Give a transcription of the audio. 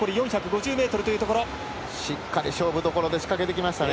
しっかり勝負どころで仕掛けてきましたね。